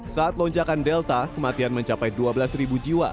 saat lonjakan delta kematian mencapai dua belas jiwa